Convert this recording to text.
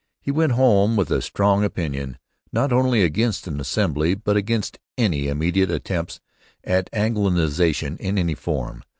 He went home with a strong opinion not only against an assembly but against any immediate attempts at Anglicization in any form.